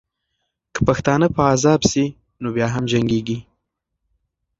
که پښتانه په عذاب سي، نو بیا هم جنګېږي.